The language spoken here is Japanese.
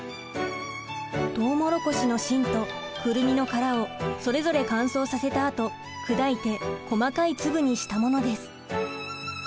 とうもろこしの芯とくるみの殻をそれぞれ乾燥させたあと砕いて細かい粒にしたものです。